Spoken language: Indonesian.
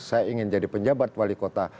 saya ingin jadi penjabat wali kota